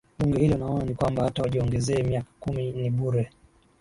bunge hilo naona ni kwamba hata wajiongezee miaka kumi ni bure